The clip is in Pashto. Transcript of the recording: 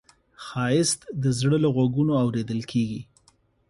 ښایست د زړه له غوږونو اورېدل کېږي